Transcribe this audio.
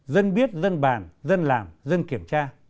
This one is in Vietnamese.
dân biết dân bàn dân làm dân kiểm tra